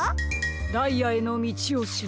「ダイヤへのみちをしめす」